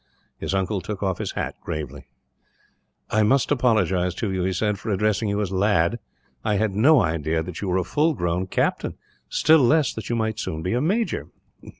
His uncle took off his hat, gravely. "I must apologize to you," he said, "for addressing you as 'lad.' I had no idea that you were a full grown captain, still less that you might soon be a major."